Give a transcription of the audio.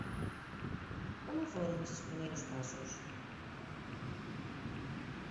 Como foron eses primeiros pasos?